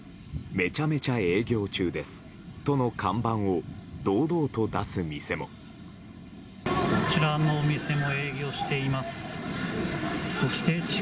めちゃめちゃ営業中です！との看板を堂々と出す店も。